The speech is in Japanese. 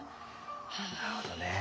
なるほどねえ。